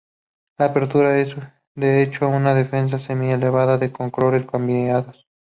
La apertura es, de hecho, una defensa Semi-Eslava con colores cambiados.